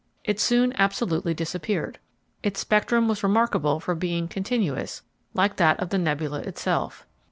It soon absolutely disappeared. Its spectrum was remarkable for being "continuous," like that of the nebula itself.